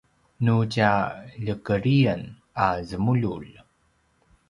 nu tja ljekedriyen a zemululj